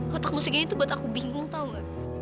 kotak musik gini tuh buat aku bingung tau gak